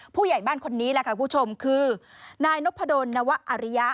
ผู้ใหญ่บ้านคนนี้แหละค่ะคุณผู้ชมคือนายนพดลนวะอริยะ